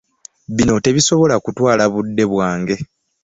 Bino tebisobola kutwala budde bwange.